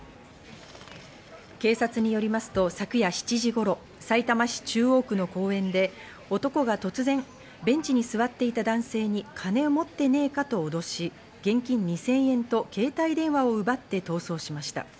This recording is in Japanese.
警察によりますと、昨夜７時頃、さいたま市中央区の公園で男が突然ベンチに座っていた男性にカネを持ってねえかと脅し、現金２０００円と携帯電話を奪って逃走しました。